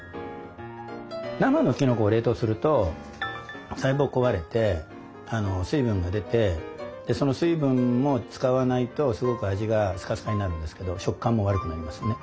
生のきのこを冷凍すると細胞が壊れて水分が出てその水分も使わないとすごく味がスカスカになるんですけど食感も悪くなりますね。